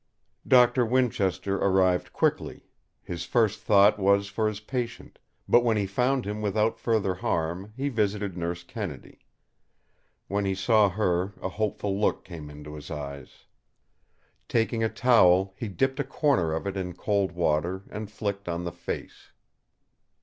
Doctor Winchester arrived quickly. His first thought was for his patient; but when he found him without further harm, he visited Nurse Kennedy. When he saw her, a hopeful look came into his eyes. Taking a towel, he dipped a corner of it in cold water and flicked on the face.